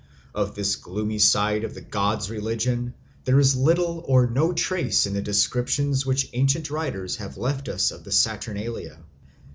Of this gloomy side of the god's religion there is little or no trace in the descriptions which ancient writers have left us of the Saturnalia.